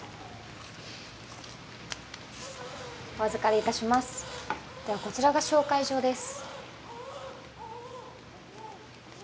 お預かりいたしますではこちらが紹介状です